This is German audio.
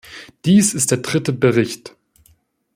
Dies ist der dritte Bericht.